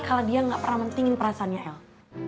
kalau dia gak pernah mendingin perasaannya el